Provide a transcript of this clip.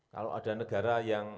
kalau ada negara yang